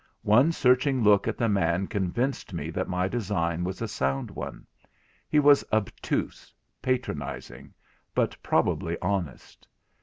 One searching look at the man convinced me that my design was a sound one. He was obtuse, patronizing—but probably honest.